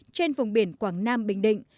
trên vùng biển quảng nam bình định